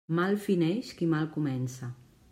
Mal fineix qui mal comença.